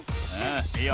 いいよ。